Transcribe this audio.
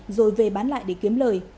đán lại để kiếm lời